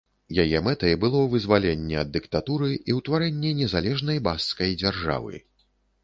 Яе мэтай было вызваленне ад дыктатуры і ўтварэнне незалежнай баскскай дзяржавы.